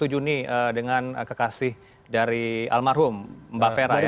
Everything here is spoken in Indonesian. dua puluh satu juni dengan kekasih dari almarhum mbak fera ya